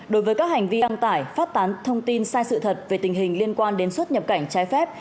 đối với các hành vi đăng tải phát tán thông tin sai sự thật về tình hình liên quan đến xuất nhập cảnh trái phép